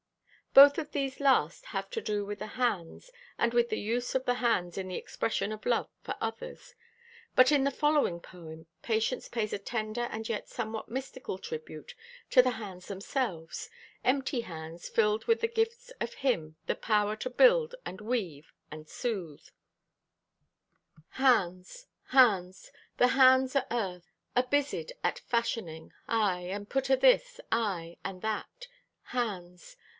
Both of these last have to do with the hands and with the use of the hands in the expression of love for others, but in the following poem Patience pays a tender and yet somewhat mystical tribute to the hands themselves, empty hands filled with the gifts of Him, the power to build and weave and soothe: Hands. Hands. The hands o' Earth; Abusied at fashioning, Aye, And put o' this, aye, and that. Hands.